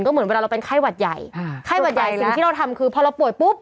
เหมือนเวลาเราเป็นไข้หวัดใหญ่ไข้หวัดใหญ่สิ่งที่เราทำคือพอเราป่วยปุ๊บ